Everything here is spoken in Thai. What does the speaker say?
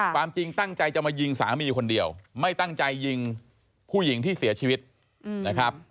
ความจริงตั้งใจจะมายิงสามีคนเดียวไม่ตั้งใจยิงผู้หญิงที่เสียชีวิตนะครับ